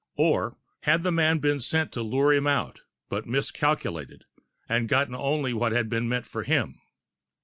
Or, had the man been set to lure him out, but miscalculated, and gotten only what had been meant for him?